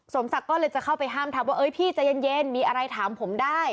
ศักดิ์ก็เลยจะเข้าไปห้ามทับว่าพี่ใจเย็นมีอะไรถามผมได้